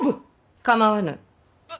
構わぬ。